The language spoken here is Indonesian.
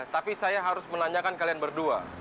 tapi saya harus menanyakan kalian berdua